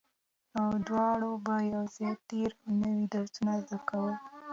او دواړو به يو ځای تېر او نوي درسونه زده کول